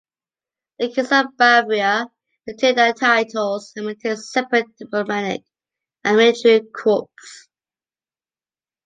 The Kings of Bavaria maintained their titles, and maintained separate diplomatic and military corps.